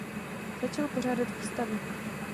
Začal pořádat výstavy.